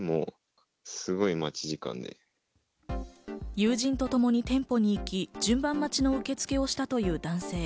友人とともに店舗に行き、順番待ちの受け付けをしたという男性。